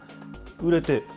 売れて。